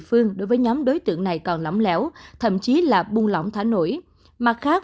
phương đối với nhóm đối tượng này còn lỏng lẽo thậm chí là buông lỏng thả nổi mặt khác